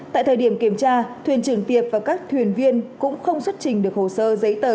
tại thời điểm kiểm tra thuyền trưởng tiệp và các thuyền viên cũng không xuất trình được hồ sơ giấy tờ